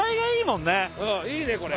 んいいねこれ。